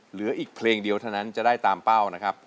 เหลืออีกเพลงเดียวเท่านั้นจะได้ตามเป้านะครับ